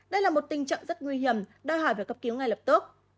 đây là một tình trạng rất nguy hiểm đòi hỏi phải cấp cứu ngay lập tức